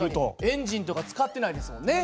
エンジンとか使ってないですもんね。